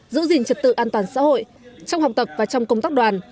giữ gìn trật tự an toàn xã hội trong học tập và trong công tác đoàn